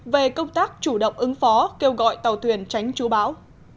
về công tác chủ động ứng phó kêu gọi tàu thuyền tránh chú bão